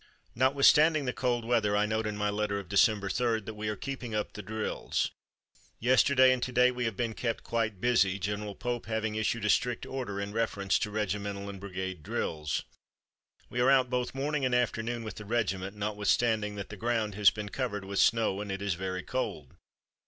Notwithstanding the cold weather, I note in my letter of December 3, that we are keeping up the drills: "Yesterday and to day we have been kept quite busy, General Pope having issued a strict order in reference to regimental and brigade drills. We are out both morning and afternoon with the regiment, notwithstanding that the ground has been covered with snow and it is very cold.